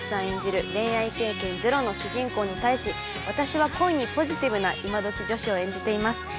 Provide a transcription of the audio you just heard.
演じる恋愛経験ゼロの主人公に対し私は恋にポジティブな今どき女子を演じています。